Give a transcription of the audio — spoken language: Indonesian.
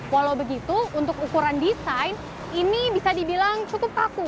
walau begitu untuk ukuran desain ini bisa dibilang cukup kaku